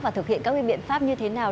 và thực hiện các biện pháp như thế nào